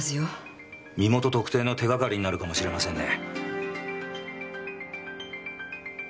身元特定の手がかりになるかもしれませんね。